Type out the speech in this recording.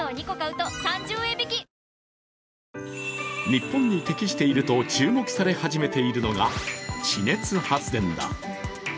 日本に適していると注目され始めているのが地熱発電だ。